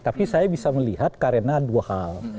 tapi saya bisa melihat karena dua hal